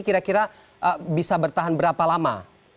kira kira bisa bertahan berapa lama